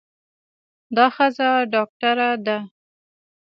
دا ښځه ډاکټره ده.